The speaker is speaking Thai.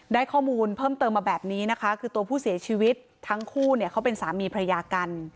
ได้ข้อมูลเพิ่มเติมมาแบบนี้คือผู้เสียชีวิตทั้งคู่เป็นสามีพระยากัน